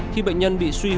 khi bệnh nhân bị suy nghĩ